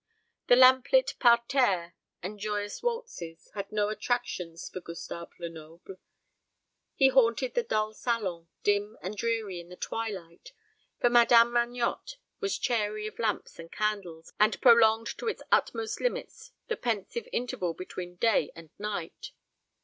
The lamp lit parterres, the joyous waltzes, had no attractions for Gustave Lenoble. He haunted the dull salon, dim and dreary in the twilight; for Madame Magnotte was chary of lamps and candles, and prolonged to its utmost limits the pensive interval between day and night.